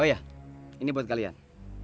oh ya ini buat kalian